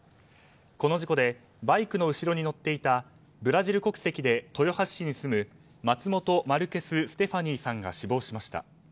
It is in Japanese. この事故でバイクの後ろに乗っていたブラジル国籍で豊橋市に住むマツモト・マルケス・ステファニーさんが死亡しました。